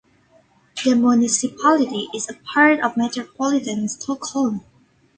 The municipality is a part of Metropolitan Stockholm.